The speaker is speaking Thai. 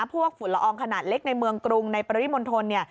พวกฝุ่นละอองขนาดเล็กในเมืองกรุงในบริมถนนี่